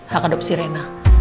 hak adopsi reina